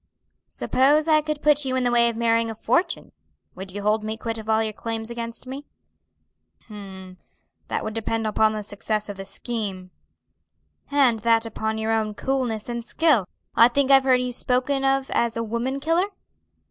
"Suppose I could put you in the way of marrying a fortune, would you hold me quit of all your claims against me?" "H'm, that would depend upon the success of the scheme." "And that upon your own coolness and skill. I think I've heard you spoken of as a woman killer?"